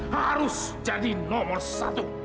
harus jadi nomor satu